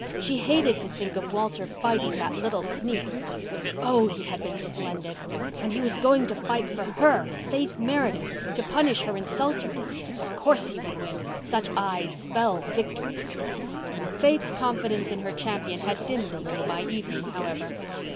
She hated to think of Walter fighting that little sneak, but oh, he had been splendid! And he was going to fight for her—Faith Meredith—to punish her insulter! Of course he would win—such eyes spelled victory. Faith's confidence in her champion had dimmed a little by evening, however.